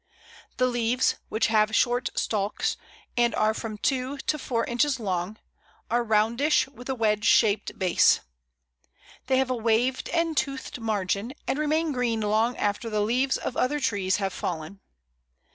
The leaves, which have short stalks, and are from two to four inches long, are roundish with a wedge shaped base. They have a waved and toothed margin, and remain green long after the leaves of other trees have fallen.